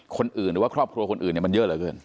หรือว่าครอบครัวคนอื่นมันเยอะเหลือเกิน